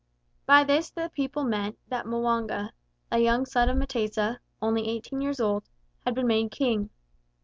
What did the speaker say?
By this the people meant that M'wanga, a young son of M'tesa only eighteen years old had been made King.